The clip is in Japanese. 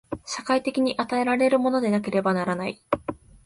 社会的に与えられるものでなければならない。